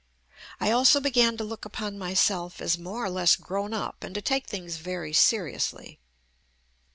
I also began to look upon myself as more or less grown up and to take things very seriously.